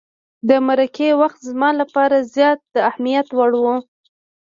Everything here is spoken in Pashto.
د مرکې وخت زما لپاره زیات د اهمیت وړ وو.